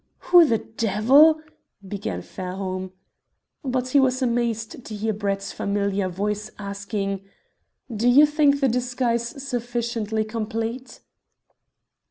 "Who the devil " began Fairholme. But he was amazed to hear Brett's familiar voice asking "Do you think the disguise sufficiently complete?"